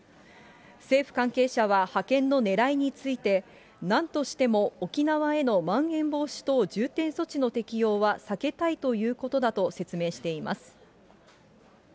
政府関係者は派遣のねらいについて、なんとしても沖縄へのまん延防止等重点措置の適用は避けたいということだと説明しています。